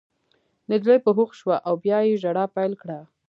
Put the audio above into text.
نجلۍ په هوښ شوه او بیا یې ژړا پیل کړه